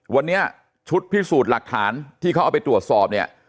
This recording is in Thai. วันนี้ชุดพิสูจน์หลักฐานที่เขาเอาไปตรวจสอบเนี่ย